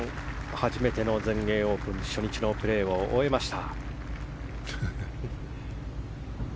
初めての全英オープン初日のプレーを終えました。